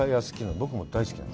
僕も大好きなの。